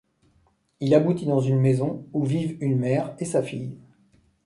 Il aboutit dans une maison où vivent une mère et sa fille.